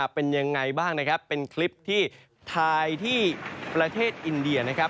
เป็นยังไงบ้างนะครับเป็นคลิปที่ถ่ายที่ประเทศอินเดียนะครับ